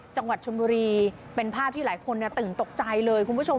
จังหวัดชนบุรีเป็นภาพที่หลายคนตื่นตกใจเลยคุณผู้ชม